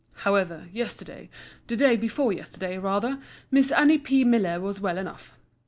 However, yesterday—the day before yesterday, rather—Miss Annie P. Miller was well enough.